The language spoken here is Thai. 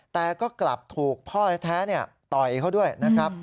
แต่ก็กลับถูกพ่อแท้ต่อยเขาด้วยนะครับ